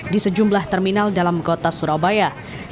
di sejumlah terminal dalam kota surabaya